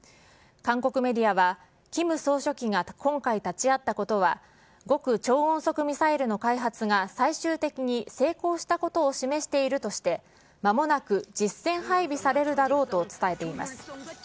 韓国メディアは、キム総書記が今回立ち会ったことは、極超音速ミサイルの開発が最終的に成功したことを示しているとして、まもなく実戦配備されるだろうと伝えています。